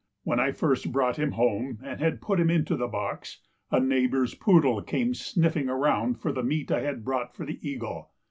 When I first brought him home and had put him into the box, a neighbor's poodle came sniffing around for the meat I had brought for the eagle.